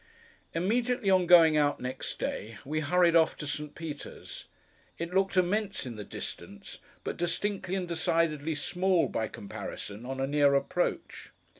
Immediately on going out next day, we hurried off to St. Peter's. It looked immense in the distance, but distinctly and decidedly small, by comparison, on a near approach.